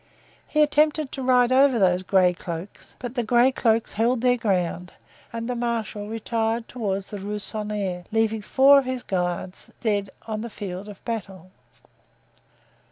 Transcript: He attempted to ride over those gray cloaks, but the gray cloaks held their ground and the marshal retired toward the Rue Saint Honore, leaving four of his guards dead on the field of battle.